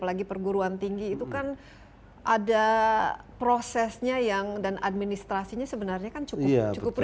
apalagi perguruan tinggi itu kan ada prosesnya yang dan administrasinya sebenarnya kan cukup lama